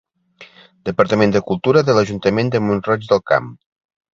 Departament de Cultura de l'Ajuntament de Mont-roig del Camp.